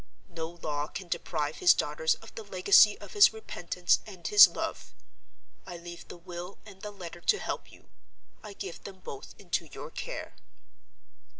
No law can deprive his daughters of the legacy of his repentance and his love. I leave the will and the letter to help you: I give them both into your care."